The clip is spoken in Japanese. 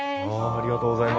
ありがとうございます。